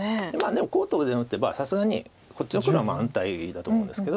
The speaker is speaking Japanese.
でもこうとかでも打てばさすがにこっちの黒は安泰だと思うんですけど。